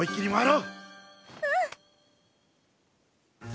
うん！